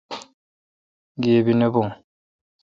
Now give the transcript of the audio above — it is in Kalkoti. گیبی نہ بون۔